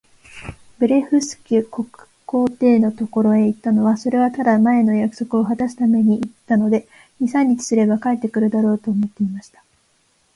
ブレフスキュ国皇帝のところへ行ったのは、それはただ、前の約束をはたすために行ったので、二三日すれば帰って来るだろう、と思っていました。